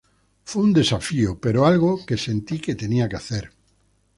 Fue un desafío, pero algo que sentí que tenía que hacer".